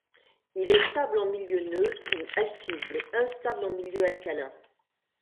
Il est stable en milieu neutre ou acide, mais instable en milieu alcalin.